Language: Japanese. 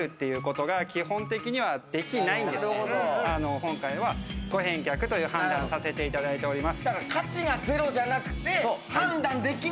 今回はご返却という判断をさせていただいております。